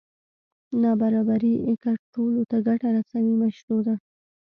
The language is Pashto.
نابرابري که ټولو ته ګټه رسوي مشروع ده.